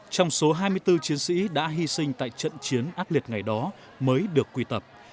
trong số hai mươi bốn chiến sĩ đã hy sinh tại trận chiến ác liệt ngày đó mới được quy tập